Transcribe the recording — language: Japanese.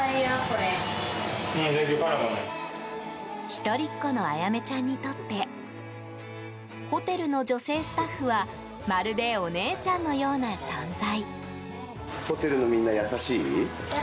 一人っ子のあやめちゃんにとってホテルの女性スタッフはまるでお姉ちゃんのような存在。